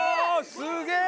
すげえ！